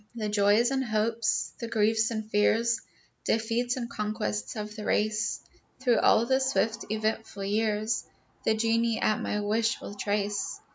The joys and hopes, the griefs and fears, Defeats and conquests of the race, Through all the swift, eventful years, The geni at my wish will trace.